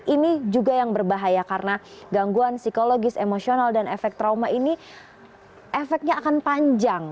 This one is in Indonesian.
ini juga yang berbahaya karena gangguan psikologis emosional dan efek trauma ini efeknya akan panjang